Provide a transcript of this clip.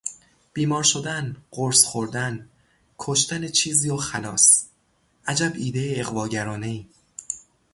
بیمار شدن، قرص خوردن، کشتن چیزی و خلاص. عجب ایده اغواگرانهای!